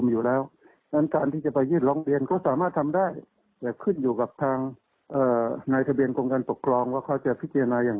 อย่างไรก็ตามนะคะนายอันนันชัย